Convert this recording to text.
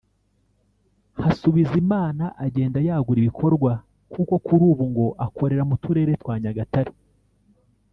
Hasubizimana agenda yagura ibikorwa kuko kuri ubu ngo akorera no mu turere twa Nyagatare